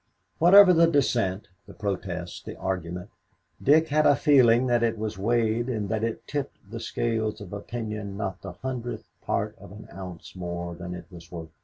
Whatever the dissent, the protest, the argument, Dick had a feeling that it was weighed and that it tipped the scale of opinion not the hundredth part of an ounce more than it was worth.